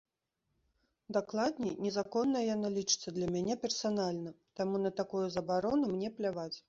Дакладней, незаконнай яна лічыцца для мяне персанальна, таму на такую забарону мне пляваць.